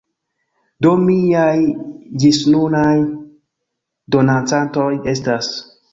Do, miaj ĝisnunaj donacantoj estas